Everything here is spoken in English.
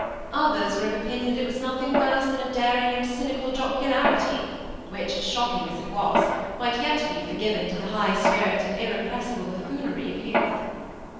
Others were of opinion that it was nothing worse than a daring and cynical jocularity which, shocking as it was, might yet be forgiven to the high spirits and irrepressible buffoonery of youth.